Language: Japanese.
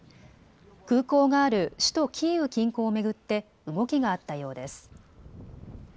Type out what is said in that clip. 空港がある首都キーウ近郊を巡って動きがあったようです。